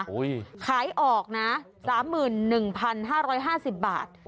โอ้ยขายออกน่ะสามหมื่นหนึ่งพันห้าร้อยห้าสิบบาท